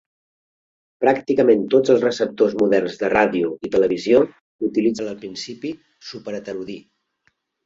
Pràcticament tots els receptors moderns de ràdio i televisió utilitzen el principi superheterodí.